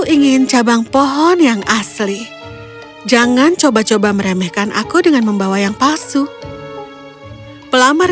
ingin cabang pohon yang asli jangan coba coba meremehkan aku dengan membawa yang palsu pelamar